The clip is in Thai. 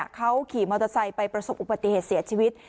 เขาขี่มอเตอร์ไซค์ไปประสบอุบัติเหตุเสียชีวิต